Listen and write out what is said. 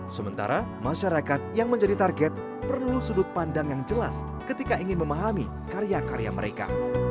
sementara masyarakat yang menjadi target perlu sudut pandang yang jelas ketika ingin memahami karya karya mereka